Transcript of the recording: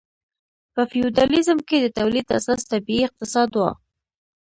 په فیوډالیزم کې د تولید اساس طبیعي اقتصاد و.